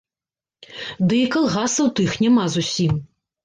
Ды і калгасаў тых няма зусім.